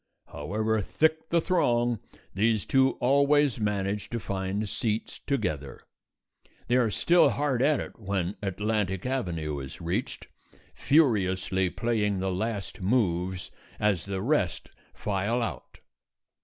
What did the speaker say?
However thick the throng, these two always manage to find seats together. They are still hard at it when Atlantic Avenue is reached, furiously playing the last moves as the rest file out.